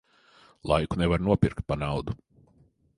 Laiku nevar nopirkt pa naudu.